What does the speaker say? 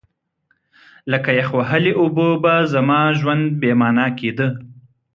لکه یخ وهلې اوبه به زما ژوند بې مانا کېده.